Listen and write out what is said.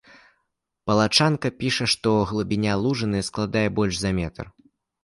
Палачанка піша, што глыбіня лужыны складае больш за метр.